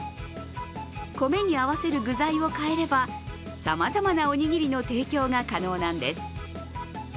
米に合わせる具材を変えればさまざまなおにぎりの提供が可能なんです。